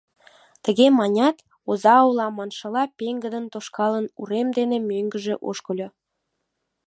Тыге манят, «оза улам» маншыла, пеҥгыдын тошкалын, урем дене мӧҥгыжӧ ошкыльо.